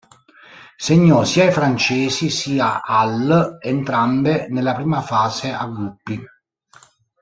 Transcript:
Segnò sia ai francesi sia all', entrambe nella prima fase a gruppi.